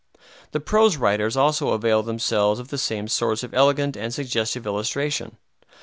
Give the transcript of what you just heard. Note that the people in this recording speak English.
The prose writers also avail themselves of the same source of elegant and suggestive illustration.